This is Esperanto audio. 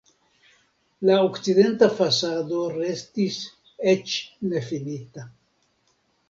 La okcidenta fasado restis eĉ nefinita.